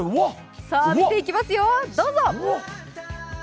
見ていきますよ、どうぞ。